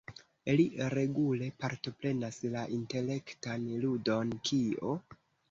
Li regule partoprenas la intelektan ludon "Kio?